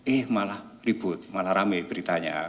eh malah ribut malah rame beritanya